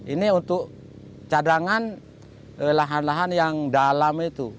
ini untuk cadangan lahan lahan yang dalam itu